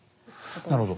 なるほど。